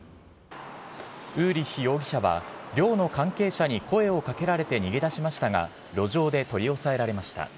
ウーリッヒ容疑者は、寮の関係者に声をかけられて逃げだしましたが、路上で取り押さえられました。